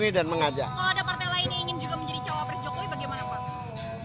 kalau ada partai lain yang ingin juga menjadi cawapres jokowi bagaimana pak